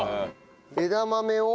枝豆を？